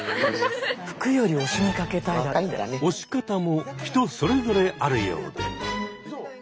推し方も人それぞれあるようで。